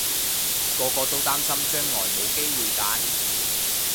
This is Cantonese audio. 個個都擔心將來冇機會揀